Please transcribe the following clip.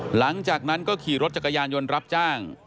หลังจากนั้นก็ขี่รถจักรยานยนต์รับจ้าง